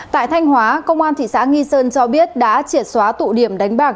tại thanh hóa công an thị xã nghi sơn cho biết đã triệt xóa tụ điểm đánh bạc